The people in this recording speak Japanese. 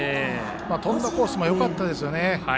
飛んだコースもよかったですよね。